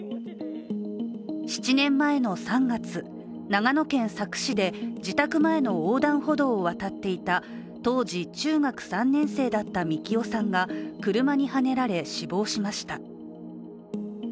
７年前の３月、長野県佐久市で自宅前の横断歩道を渡っていた当時、中学３年生だった樹生さんが車にはねられ、死亡しました。